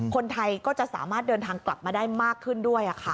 คนไทยก็จะสามารถเดินทางกลับมาได้มากขึ้นด้วย